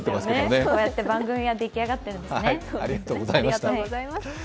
こうやって番組は出来上がっているんですね。